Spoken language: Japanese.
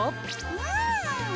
うん！